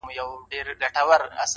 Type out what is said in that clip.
چي له بې ميني ژونده,